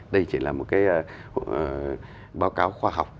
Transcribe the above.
đây chỉ là một cái báo cáo khoa học